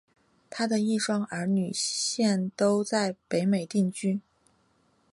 她的一双儿女现都在北美定居。